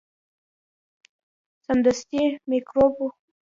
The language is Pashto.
سمدستي میکروبي شو.